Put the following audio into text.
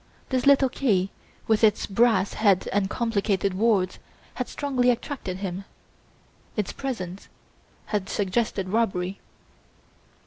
This little key, with its brass head and complicated wards, had strongly attracted him, its presence had suggested robbery.